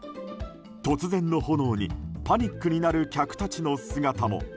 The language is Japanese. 突然の炎にパニックになる客たちの姿も。